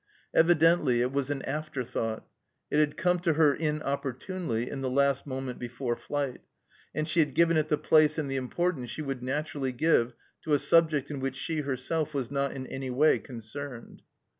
Evidently it was an afterthought. It had come to her, inopportunely, in the last moment before flight, and she had given it the place and the importance she would naturally give to a subject in which she herself was not in any way concerned.